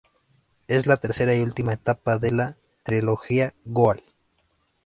Es el tercera y última etapa de la "trilogía Goal!